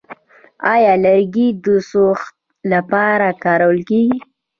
آیا لرګي د سوخت لپاره کارول کیږي؟